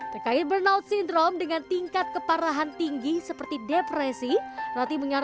terkait burn out syndrome dengan tingkat keparahan tinggi kita bisa menghasilkan diri dari lingkungan